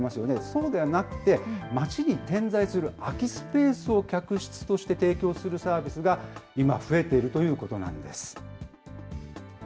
そうではなくて、街に点在する空きスペースを客室として提供するサービスが、今、増えているということなんです。